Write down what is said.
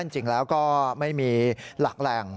จริงแล้วก็ไม่มีหลักแหล่ง